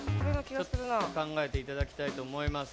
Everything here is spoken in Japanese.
ちょっと考えていただきたいと思います。